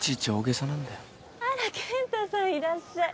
あら健太さんいらっしゃい。